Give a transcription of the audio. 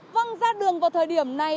vâng ra đường vào thời điểm này